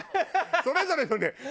それぞれのね